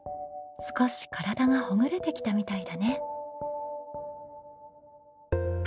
少し体がほぐれてきたみたいだね。